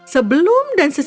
sebelum dan setelah